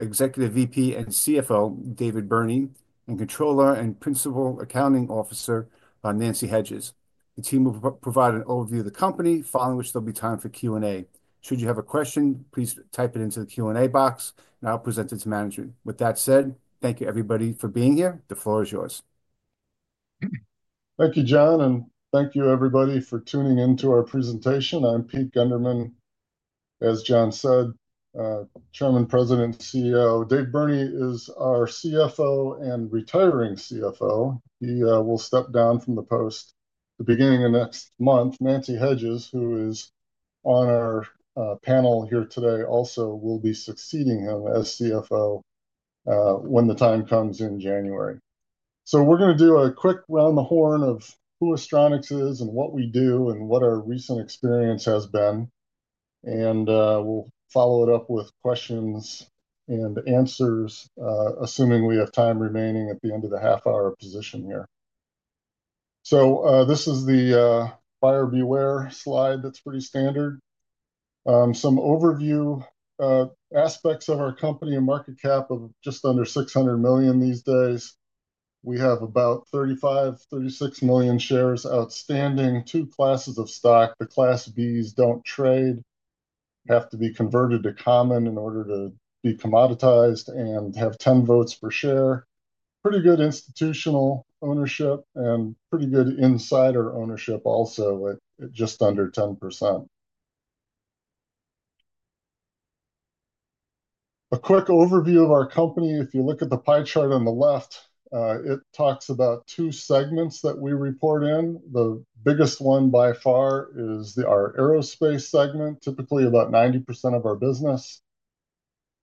Executive VP and CFO David Burney and Controller and Principal Accounting Officer Nancy Hedges. The team will provide an overview of the company, following which there'll be time for Q&A. Should you have a question, please type it into the Q&A box, and I'll present it to management. With that said, thank you, everybody, for being here. The floor is yours. Thank you, John, and thank you, everybody, for tuning into our presentation. I'm Pete Gundermann, as John said, Chairman, President, and CEO. Dave Burney is our CFO and retiring CFO. He will step down from the post at the beginning of next month. Nancy Hedges, who is on our panel here today, also will be succeeding him as CFO when the time comes in January. So we're going to do a quick round-the-horn of who Astronics is and what we do and what our recent experience has been. And we'll follow it up with questions and answers, assuming we have time remaining at the end of the half-hour position here. So this is the buyer beware slide that's pretty standard. Some overview aspects of our company and market cap of just under $600 million these days. We have about 35-36 million shares outstanding, two classes of stock. The Class Bs don't trade, have to be converted to common in order to be commoditized and have 10 votes per share. Pretty good institutional ownership and pretty good insider ownership also, at just under 10%. A quick overview of our company. If you look at the pie chart on the left, it talks about two segments that we report in. The biggest one by far is our aerospace segment, typically about 90% of our business.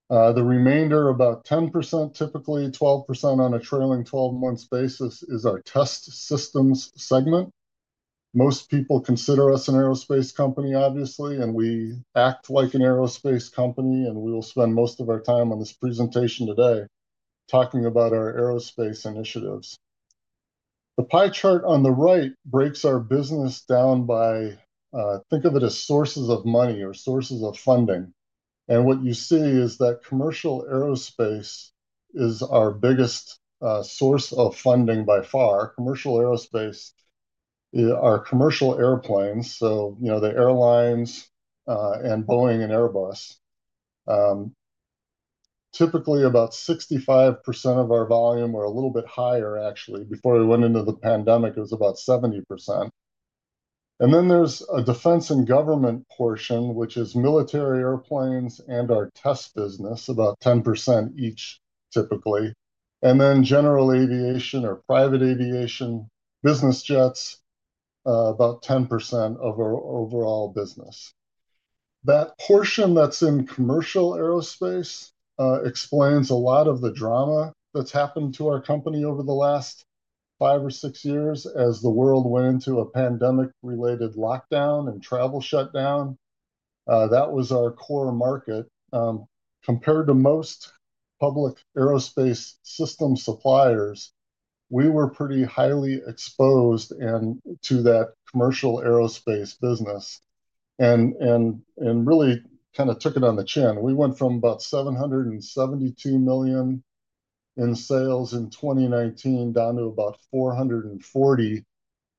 The remainder, about 10%, typically 12% on a trailing 12-month basis, is our test systems segment. Most people consider us an aerospace company, obviously, and we act like an aerospace company, and we will spend most of our time on this presentation today talking about our aerospace initiatives. The pie chart on the right breaks our business down by, think of it as sources of money or sources of funding. What you see is that commercial aerospace is our biggest source of funding by far. Commercial aerospace are commercial airplanes, so the airlines and Boeing and Airbus. Typically, about 65% of our volume or a little bit higher, actually. Before we went into the pandemic, it was about 70%. And then there's a defense and government portion, which is military airplanes and our test business, about 10% each, typically. And then general aviation or private aviation business jets, about 10% of our overall business. That portion that's in commercial aerospace explains a lot of the drama that's happened to our company over the last five or six years as the world went into a pandemic-related lockdown and travel shutdown. That was our core market. Compared to most public aerospace system suppliers, we were pretty highly exposed to that commercial aerospace business and really kind of took it on the chin. We went from about $772 million in sales in 2019 down to about $440 million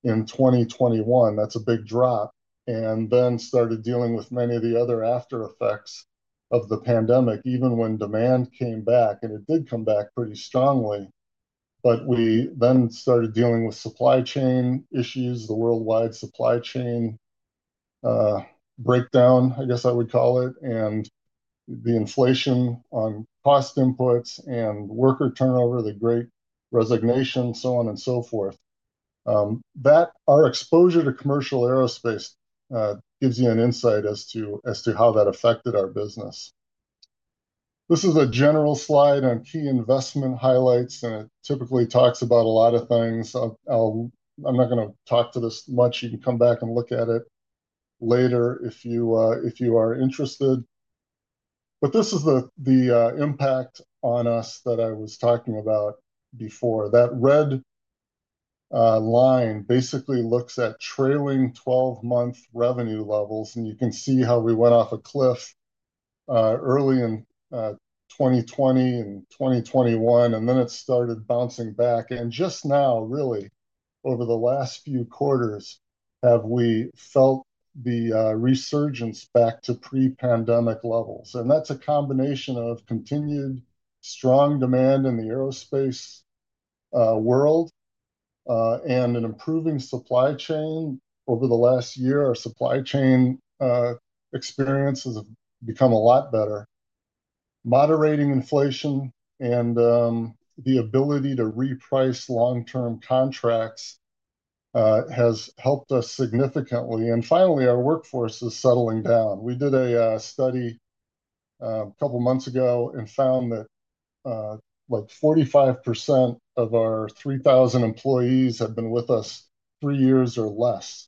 in 2021. That's a big drop and then started dealing with many of the other aftereffects of the pandemic, even when demand came back, and it did come back pretty strongly, but we then started dealing with supply chain issues, the worldwide supply chain breakdown, I guess I would call it, and the inflation on cost inputs and worker turnover, the great resignation, so on and so forth. Our exposure to commercial aerospace gives you an insight as to how that affected our business. This is a general slide on key investment highlights, and it typically talks about a lot of things. I'm not going to talk to this much. You can come back and look at it later if you are interested, but this is the impact on us that I was talking about before. That red line basically looks at trailing 12-month revenue levels, and you can see how we went off a cliff early in 2020 and 2021, and then it started bouncing back, and just now, really, over the last few quarters, have we felt the resurgence back to pre-pandemic levels, and that's a combination of continued strong demand in the aerospace world and an improving supply chain. Over the last year, our supply chain experience has become a lot better. Moderating inflation and the ability to reprice long-term contracts has helped us significantly, and finally, our workforce is settling down. We did a study a couple of months ago and found that like 45% of our 3,000 employees have been with us three years or less,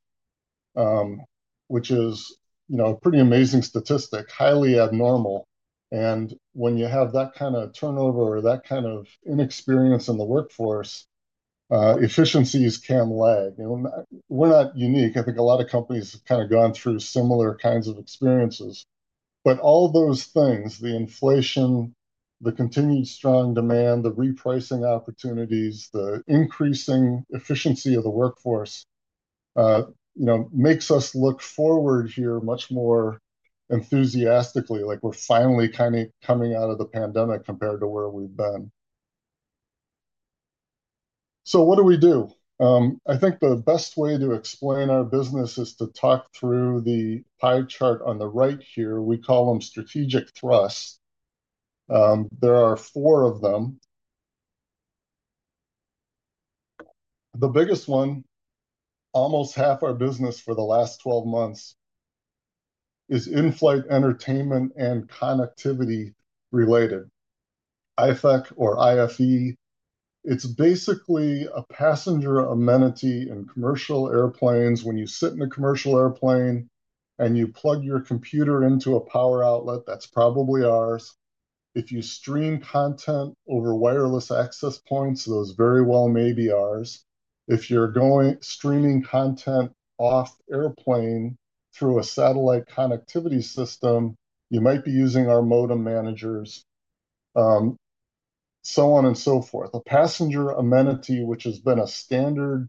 which is a pretty amazing statistic, highly abnormal, and when you have that kind of turnover or that kind of inexperience in the workforce, efficiencies can lag. We're not unique. I think a lot of companies have kind of gone through similar kinds of experiences, but all those things, the inflation, the continued strong demand, the repricing opportunities, the increasing efficiency of the workforce makes us look forward here much more enthusiastically, like we're finally kind of coming out of the pandemic compared to where we've been, so what do we do? I think the best way to explain our business is to talk through the pie chart on the right here. We call them strategic thrusts. There are four of them. The biggest one, almost half our business for the last 12 months, is in-flight entertainment and connectivity related, IFEC or IFE. It's basically a passenger amenity in commercial airplanes. When you sit in a commercial airplane and you plug your computer into a power outlet, that's probably ours. If you stream content over wireless access points, those very well may be ours. If you're streaming content off airplane through a satellite connectivity system, you might be using our modem managers, so on and so forth. A passenger amenity, which has been a standard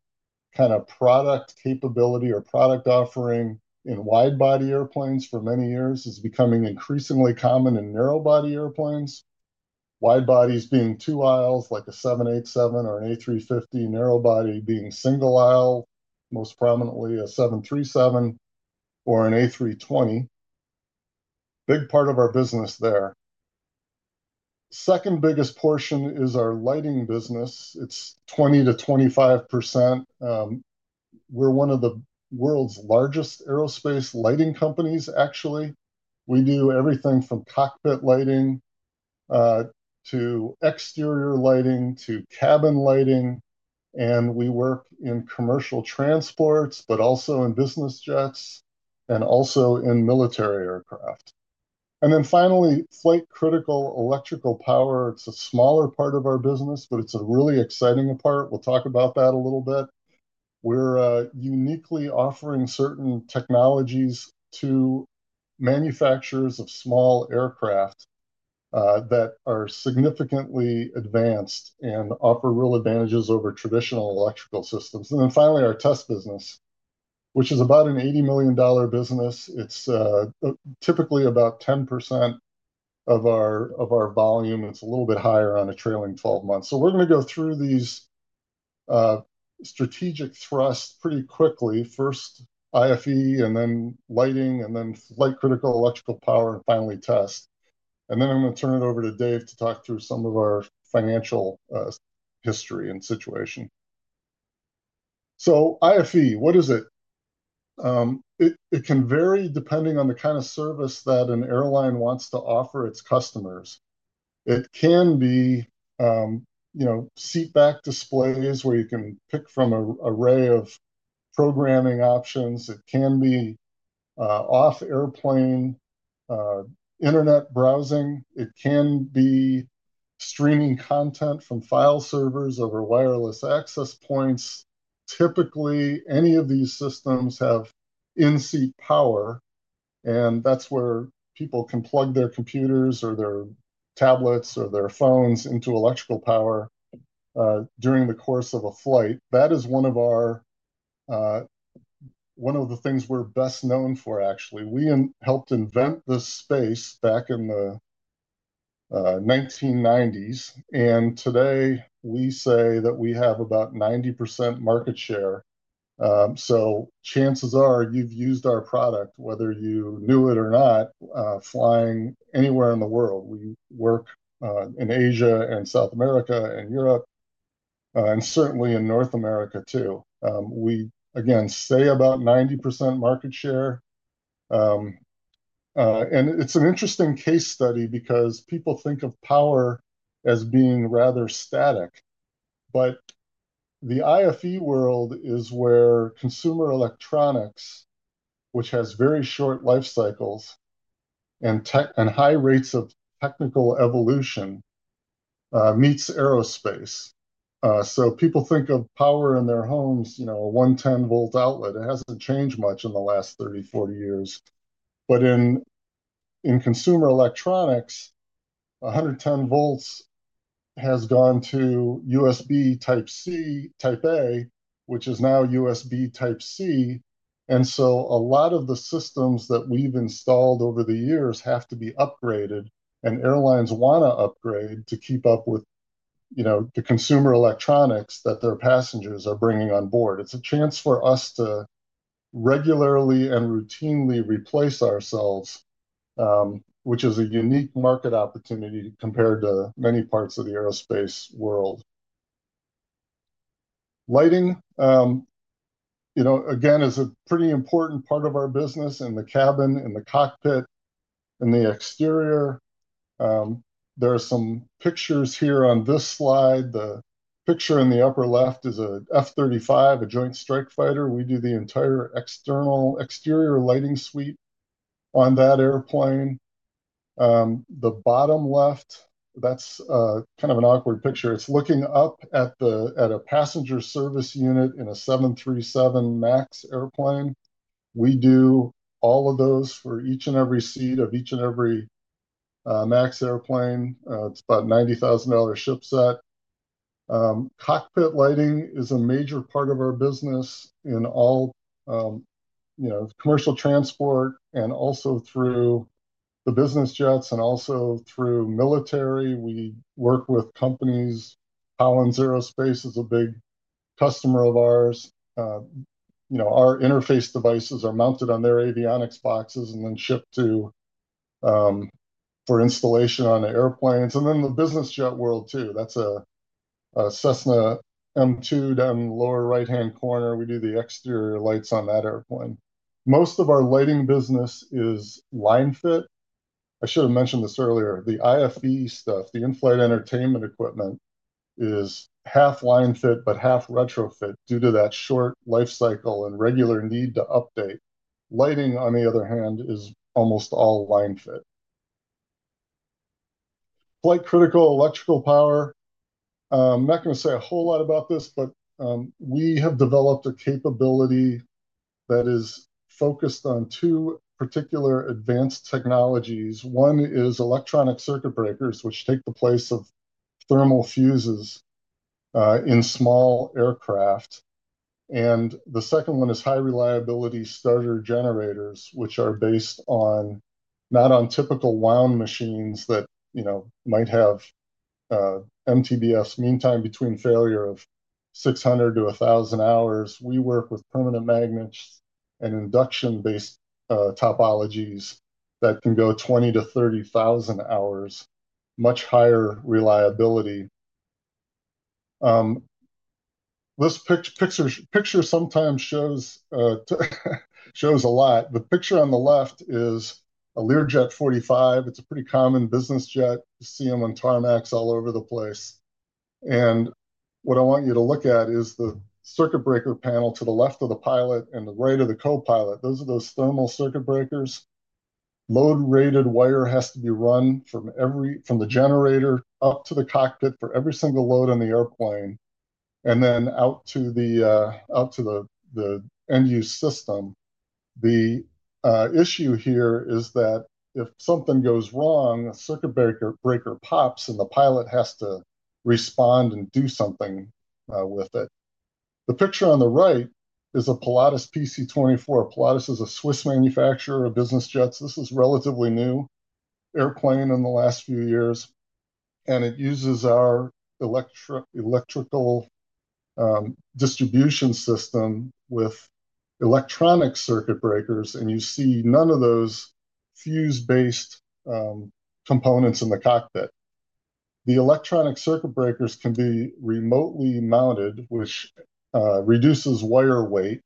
kind of product capability or product offering in wide-body airplanes for many years, is becoming increasingly common in narrow-body airplanes. Wide-bodies being two aisles, like a 787 or an A350, narrow-body being single aisle, most prominently a 737 or an A320. Big part of our business there. Second biggest portion is our lighting business. It's 20%-25%. We're one of the world's largest aerospace lighting companies, actually. We do everything from cockpit lighting to exterior lighting to cabin lighting. And we work in commercial transports, but also in business jets and also in military aircraft. And then finally, flight-critical electrical power. It's a smaller part of our business, but it's a really exciting part. We'll talk about that a little bit. We're uniquely offering certain technologies to manufacturers of small aircraft that are significantly advanced and offer real advantages over traditional electrical systems. And then finally, our test business, which is about an $80 million business. It's typically about 10% of our volume. It's a little bit higher on a trailing 12 months. So we're going to go through these strategic thrusts pretty quickly. First, IFE, and then lighting, and then flight-critical electrical power, and finally test. And then I'm going to turn it over to David to talk through some of our financial history and situation. So IFE, what is it? It can vary depending on the kind of service that an airline wants to offer its customers. It can be seatback displays where you can pick from an array of programming options. It can be off-airplane internet browsing. It can be streaming content from file servers over wireless access points. Typically, any of these systems have in-seat power, and that's where people can plug their computers or their tablets or their phones into electrical power during the course of a flight. That is one of the things we're best known for, actually. We helped invent this space back in the 1990s. And today, we say that we have about 90% market share. Chances are you've used our product, whether you knew it or not, flying anywhere in the world. We work in Asia and South America and Europe, and certainly in North America too. We, again, say about 90% market share. And it's an interesting case study because people think of power as being rather static. But the IFE world is where consumer electronics, which has very short life cycles and high rates of technical evolution, meets aerospace. So people think of power in their homes, a 110-volt outlet. It hasn't changed much in the last 30-40 years. But in consumer electronics, 110 volts has gone to USB Type-C, Type-A, which is now USB Type-C. And so a lot of the systems that we've installed over the years have to be upgraded, and airlines want to upgrade to keep up with the consumer electronics that their passengers are bringing on board. It's a chance for us to regularly and routinely replace ourselves, which is a unique market opportunity compared to many parts of the aerospace world. Lighting, again, is a pretty important part of our business in the cabin, in the cockpit, in the exterior. There are some pictures here on this slide. The picture in the upper left is an F-35, a Joint Strike Fighter. We do the entire exterior lighting suite on that airplane. The bottom left, that's kind of an awkward picture. It's looking up at a passenger service unit in a 737 MAX airplane. We do all of those for each and every seat of each and every MAX airplane. It's about a $90,000 shipset. Cockpit lighting is a major part of our business in all commercial transport and also through the business jets and also through military. We work with companies. Collins Aerospace is a big customer of ours. Our interface devices are mounted on their avionics boxes and then shipped for installation on airplanes, and then the business jet world too. That's a Cessna M2 down in the lower right-hand corner. We do the exterior lights on that airplane. Most of our lighting business is linefit. I should have mentioned this earlier. The IFE stuff, the in-flight entertainment equipment, is half linefit but half retrofit due to that short life cycle and regular need to update. Lighting, on the other hand, is almost all linefit. Flight-critical electrical power. I'm not going to say a whole lot about this, but we have developed a capability that is focused on two particular advanced technologies. One is electronic circuit breakers, which take the place of thermal fuses in small aircraft. And the second one is high-reliability starter generators, which are based not on typical wound machines that might have MTBF, mean time between failure, of 600-1,000 hours. We work with permanent magnets and induction-based topologies that can go 20-30,000 hours, much higher reliability. This picture sometimes shows a lot. The picture on the left is a Learjet 45. It's a pretty common business jet. You see them on tarmacs all over the place. And what I want you to look at is the circuit breaker panel to the left of the pilot and the right of the co-pilot. Those are those thermal circuit breakers. Load-rated wire has to be run from the generator up to the cockpit for every single load on the airplane and then out to the end-use system. The issue here is that if something goes wrong, a circuit breaker pops, and the pilot has to respond and do something with it. The picture on the right is a Pilatus PC-24. Pilatus is a Swiss manufacturer of business jets. This is a relatively new airplane in the last few years, and it uses our electrical distribution system with electronic circuit breakers. And you see none of those fuse-based components in the cockpit. The electronic circuit breakers can be remotely mounted, which reduces wire weight,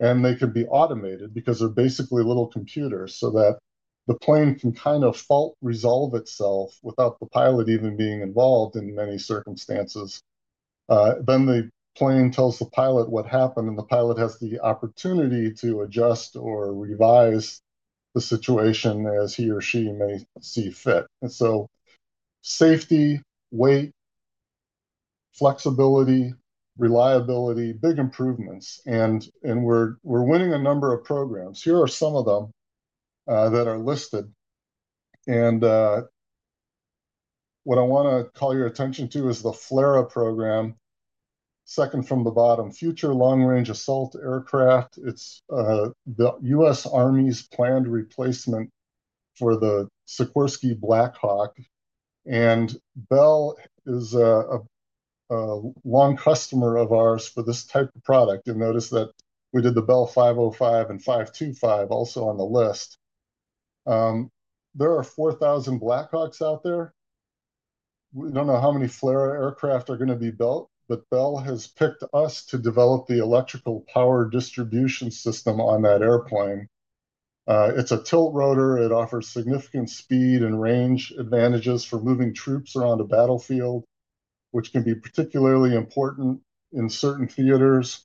and they can be automated because they're basically little computers so that the plane can kind of fault-resolve itself without the pilot even being involved in many circumstances. Then the plane tells the pilot what happened, and the pilot has the opportunity to adjust or revise the situation as he or she may see fit. And so safety, weight, flexibility, reliability, big improvements. And we're winning a number of programs. Here are some of them that are listed. And what I want to call your attention to is the FLRAA program, second from the bottom, Future Long-Range Assault Aircraft. It's the US Army's planned replacement for the Sikorsky Black Hawk. And Bell is a long customer of ours for this type of product. You'll notice that we did the Bell 505 and 525 also on the list. There are 4,000 Black Hawks out there. We don't know how many FLRAA aircraft are going to be built, but Bell has picked us to develop the electrical power distribution system on that airplane. It's a tilt rotor. It offers significant speed and range advantages for moving troops around a battlefield, which can be particularly important in certain theaters.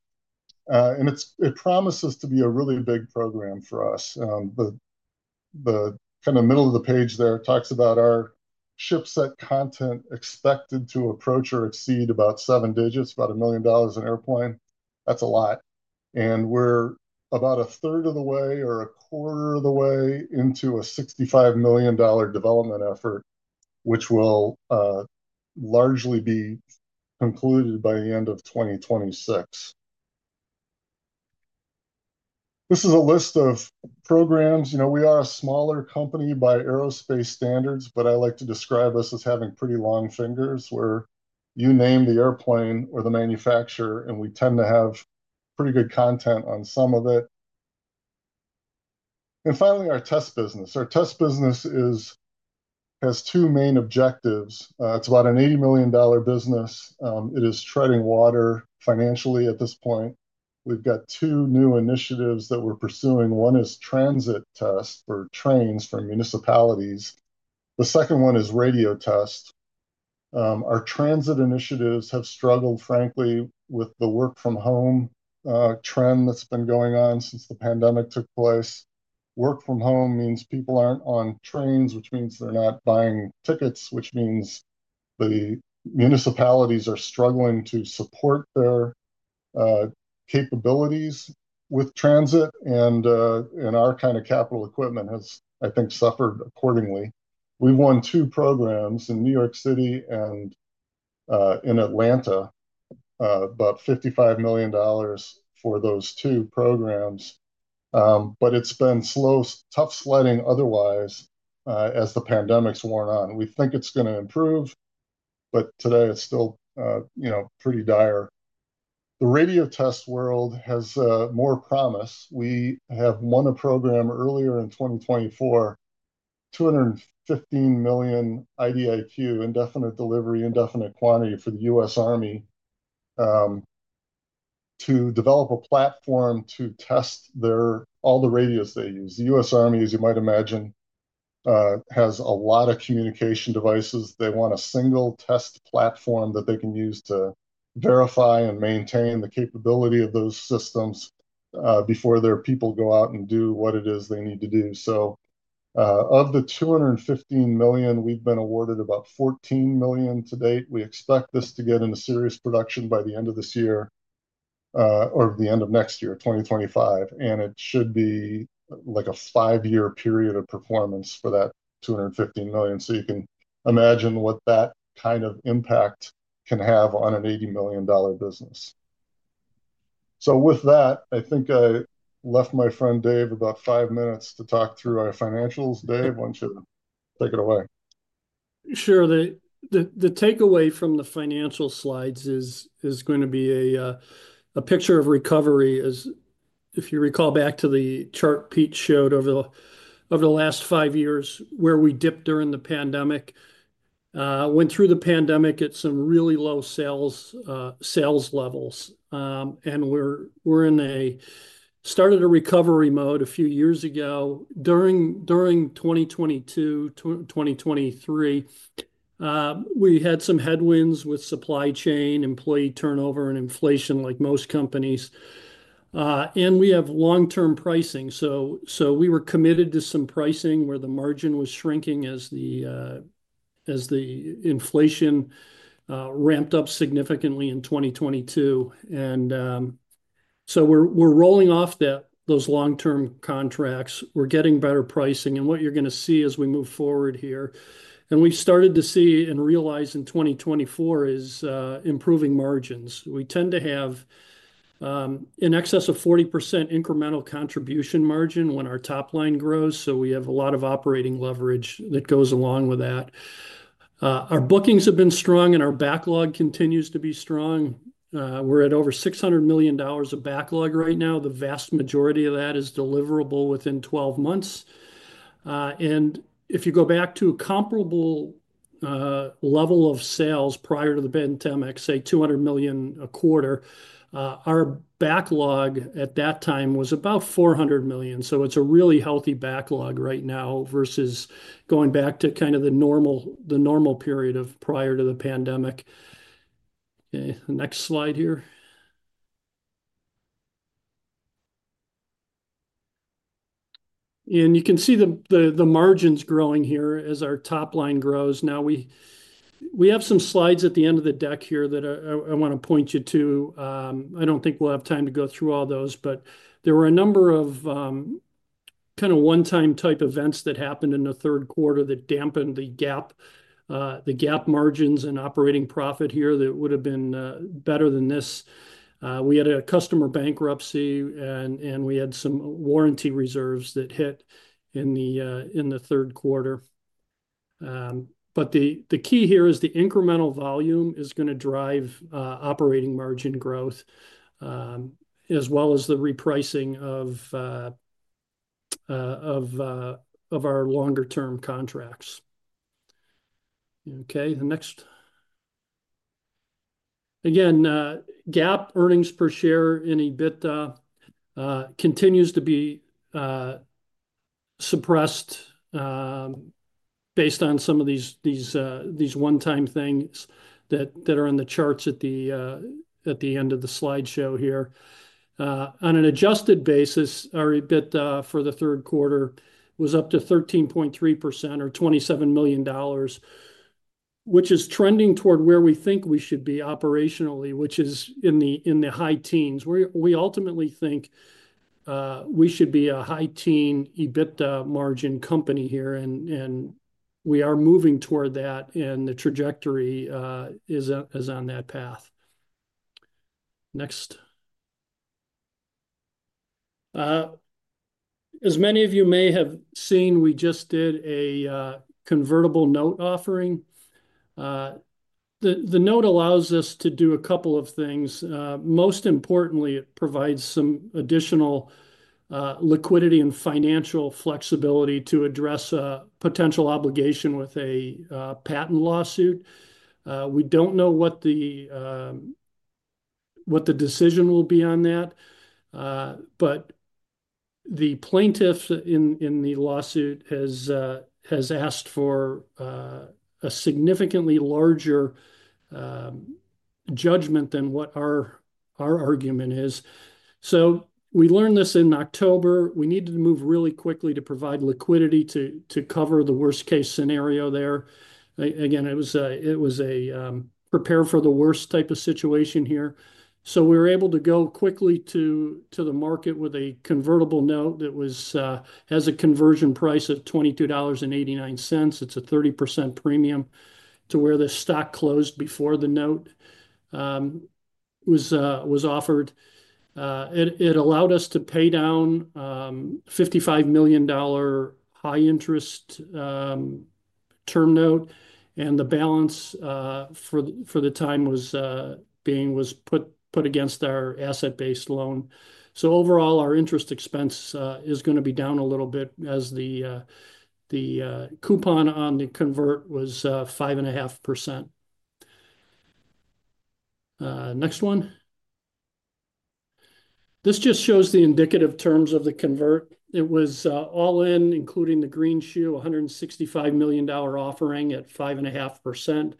And it promises to be a really big program for us. The kind of middle of the page there talks about our shipset content expected to approach or exceed about seven digits, about a million dollars an airplane. That's a lot. And we're about a third of the way or a quarter of the way into a $65 million development effort, which will largely be concluded by the end of 2026. This is a list of programs. We are a smaller company by aerospace standards, but I like to describe us as having pretty long fingers where you name the airplane or the manufacturer, and we tend to have pretty good content on some of it. And finally, our test business. Our test business has two main objectives. It's about an $80 million business. It is treading water financially at this point. We've got two new initiatives that we're pursuing. One is transit tests for trains for municipalities. The second one is radio tests. Our transit initiatives have struggled, frankly, with the work-from-home trend that's been going on since the pandemic took place. Work-from-home means people aren't on trains, which means they're not buying tickets, which means the municipalities are struggling to support their capabilities with transit. And our kind of capital equipment has, I think, suffered accordingly. We've won two programs in New York City and in Atlanta, about $55 million for those two programs. But it's been slow, tough sledding otherwise as the pandemic's worn on. We think it's going to improve, but today it's still pretty dire. The radio test world has more promise. We have won a program earlier in 2024, $215 million IDIQ, indefinite delivery, indefinite quantity for the U.S. Army to develop a platform to test all the radios they use. The U.S. Army, as you might imagine, has a lot of communication devices. They want a single test platform that they can use to verify and maintain the capability of those systems before their people go out and do what it is they need to do. So of the $215 million, we've been awarded about $14 million to date. We expect this to get into serious production by the end of this year or the end of next year, 2025, and it should be like a five-year period of performance for that $215 million, so you can imagine what that kind of impact can have on an $80 million business. So with that, I think I left my friend Dave about five minutes to talk through our financials. Dave, why don't you take it away? Sure. The takeaway from the financial slides is going to be a picture of recovery. If you recall back to the chart Pete showed over the last five years where we dipped during the pandemic, went through the pandemic at some really low sales levels. And we started a recovery mode a few years ago. During 2022, 2023, we had some headwinds with supply chain, employee turnover, and inflation like most companies. And we have long-term pricing. So we were committed to some pricing where the margin was shrinking as the inflation ramped up significantly in 2022. And so we're rolling off those long-term contracts. We're getting better pricing. What you're going to see as we move forward here, and we've started to see and realize in 2024, is improving margins. We tend to have an excess of 40% incremental contribution margin when our top line grows. So we have a lot of operating leverage that goes along with that. Our bookings have been strong, and our backlog continues to be strong. We're at over $600 million of backlog right now. The vast majority of that is deliverable within 12 months. And if you go back to a comparable level of sales prior to the pandemic, say 200 million a quarter, our backlog at that time was about 400 million. So it's a really healthy backlog right now versus going back to kind of the normal period prior to the pandemic. Next slide here. You can see the margins growing here as our top line grows. Now, we have some slides at the end of the deck here that I want to point you to. I don't think we'll have time to go through all those, but there were a number of kind of one-time type events that happened in the third quarter that dampened the GAAP margins and operating profit here that would have been better than this. We had a customer bankruptcy, and we had some warranty reserves that hit in the third quarter. But the key here is the incremental volume is going to drive operating margin growth as well as the repricing of our longer-term contracts. Okay. Again, GAAP earnings per share in EBITDA continues to be suppressed based on some of these one-time things that are in the charts at the end of the slideshow here. On an adjusted basis, our EBITDA for the third quarter was up to 13.3% or $27 million, which is trending toward where we think we should be operationally, which is in the high teens. We ultimately think we should be a high-teens EBITDA margin company here, and we are moving toward that, and the trajectory is on that path. Next. As many of you may have seen, we just did a convertible note offering. The note allows us to do a couple of things. Most importantly, it provides some additional liquidity and financial flexibility to address a potential obligation with a patent lawsuit. We don't know what the decision will be on that. But the plaintiff in the lawsuit has asked for a significantly larger judgment than what our argument is. So we learned this in October. We needed to move really quickly to provide liquidity to cover the worst-case scenario there. Again, it was a prepare-for-the-worst type of situation here. So we were able to go quickly to the market with a convertible note that has a conversion price of $22.89. It's a 30% premium to where the stock closed before the note was offered. It allowed us to pay down a $55 million high-interest term note. And the balance for the time was put against our asset-based loan. So overall, our interest expense is going to be down a little bit as the coupon on the convert was 5.5%. Next one. This just shows the indicative terms of the convert. It was all in, including the greenshoe, $165 million offering at 5.5%.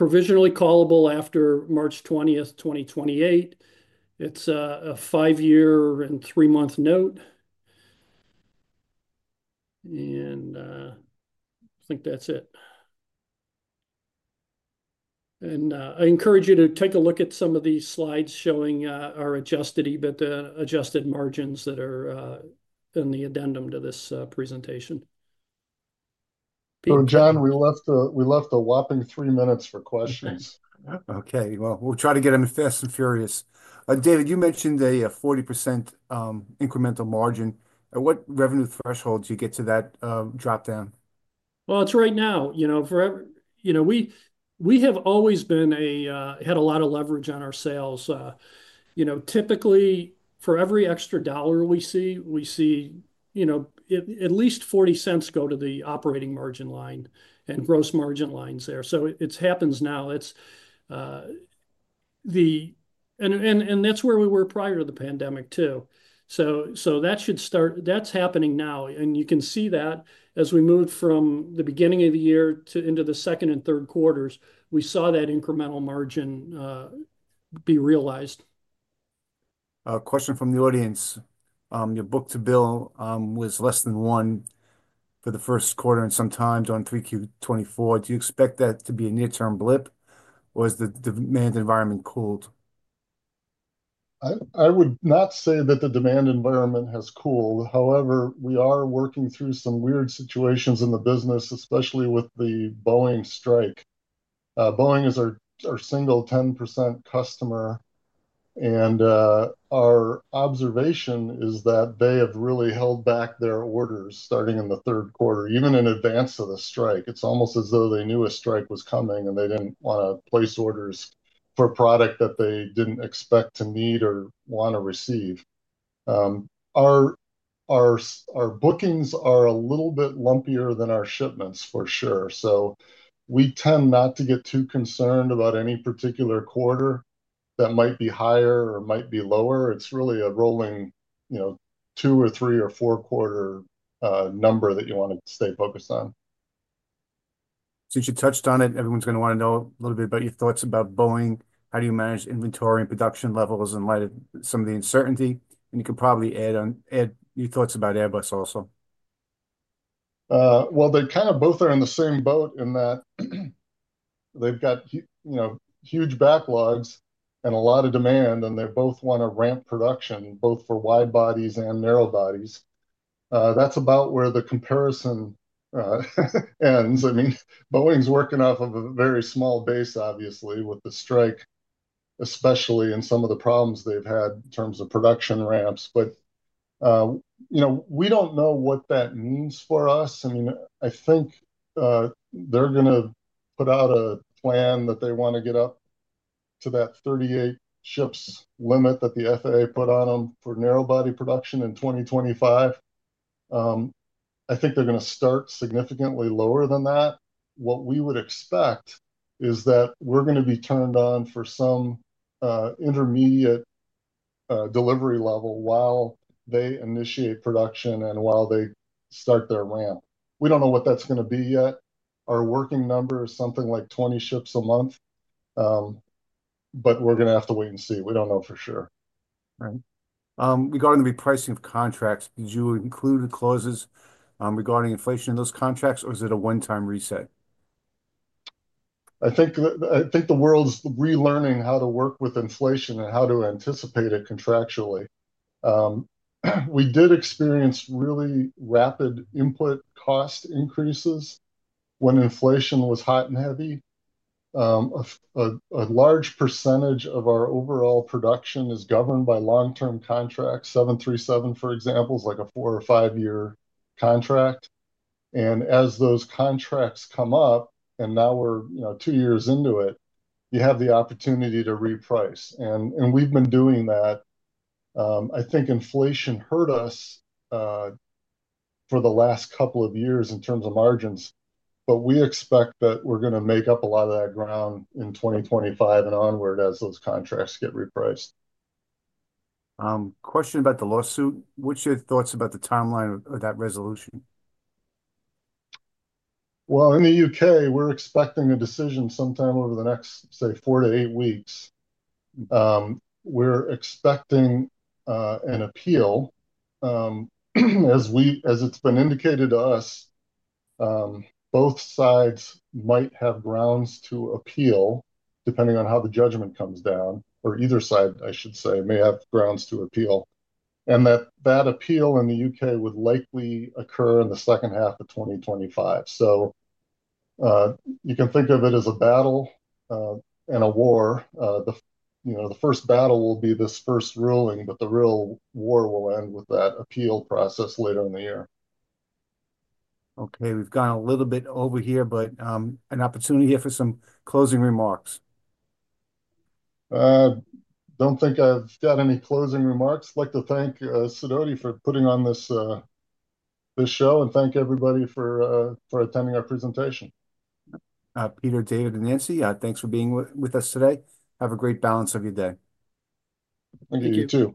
Provisionally callable after March 20th, 2028. It's a five-year and three-month note. And I think that's it. And I encourage you to take a look at some of these slides showing our adjusted EBITDA, adjusted margins that are in the addendum to this presentation. So, John, we left a whopping three minutes for questions. Okay. Well, we'll try to get them fast and furious. David, you mentioned a 40% incremental margin. What revenue threshold do you get to that dropdown? Well, it's right now. We have always had a lot of leverage on our sales. Typically, for every extra dollar we see, we see at least 40 cents go to the operating margin line and gross margin lines there. So it happens now. And that's where we were prior to the pandemic too. So that's happening now. And you can see that as we moved from the beginning of the year to into the second and third quarters, we saw that incremental margin be realized. Question from the audience. Your Book-to-Bill was less than one for the first quarter and sometimes on 3Q24. Do you expect that to be a near-term blip, or has the demand environment cooled? I would not say that the demand environment has cooled. However, we are working through some weird situations in the business, especially with the Boeing strike. Boeing is our single 10% customer. And our observation is that they have really held back their orders starting in the third quarter, even in advance of the strike. It's almost as though they knew a strike was coming, and they didn't want to place orders for product that they didn't expect to need or want to receive. Our bookings are a little bit lumpier than our shipments, for sure. So we tend not to get too concerned about any particular quarter that might be higher or might be lower. It's really a rolling two or three or four-quarter number that you want to stay focused on. Since you touched on it, everyone's going to want to know a little bit about your thoughts about Boeing. How do you manage inventory and production levels in light of some of the uncertainty, and you can probably add your thoughts about Airbus also. Well, they kind of both are in the same boat in that they've got huge backlogs and a lot of demand, and they both want to ramp production, both for wide bodies and narrow bodies. That's about where the comparison ends. I mean, Boeing's working off of a very small base, obviously, with the strike, especially in some of the problems they've had in terms of production ramps. But we don't know what that means for us. I mean, I think they're going to put out a plan that they want to get up to that 38 ships limit that the FAA put on them for narrow body production in 2025. I think they're going to start significantly lower than that. What we would expect is that we're going to be turned on for some intermediate delivery level while they initiate production and while they start their ramp. We don't know what that's going to be yet. Our working number is something like 20 ships a month, but we're going to have to wait and see. We don't know for sure. Right. Regarding the repricing of contracts, did you include the clauses regarding inflation in those contracts, or is it a one-time reset? I think the world's relearning how to work with inflation and how to anticipate it contractually. We did experience really rapid input cost increases when inflation was hot and heavy. A large percentage of our overall production is governed by long-term contracts. 737, for example, is like a four or five-year contract. And as those contracts come up, and now we're two years into it, you have the opportunity to reprice. And we've been doing that. I think inflation hurt us for the last couple of years in terms of margins, but we expect that we're going to make up a lot of that ground in 2025 and onward as those contracts get repriced. Question about the lawsuit. What's your thoughts about the timeline of that resolution? Well, in the U.K., we're expecting a decision sometime over the next, say, four to eight weeks. We're expecting an appeal. As it's been indicated to us, both sides might have grounds to appeal depending on how the judgment comes down, or either side, I should say, may have grounds to appeal, and that appeal in the U.K. would likely occur in the second half of 2025, so you can think of it as a battle and a war. The first battle will be this first ruling, but the real war will end with that appeal process later in the year. Okay. We've gone a little bit over here, but an opportunity here for some closing remarks. I don't think I've got any closing remarks. I'd like to thank Sidoti for putting on this show and thank everybody for attending our presentation. Peter, David, and Nancy, thanks for being with us today. Have a great balance of your day. Thank you. You too.